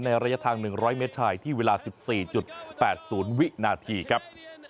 ระยะทาง๑๐๐เมตรชายที่เวลา๑๔๘๐วินาทีครับ